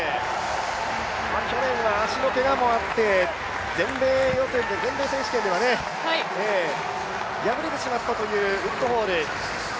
去年は足のけがもあって全米選手権では敗れてしまったというウッドホール。